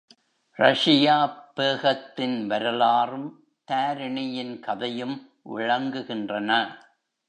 ரஸியா பேகத்தின் வரலாறும் தாரிணியின் கதையும் விளங்குகின்றன.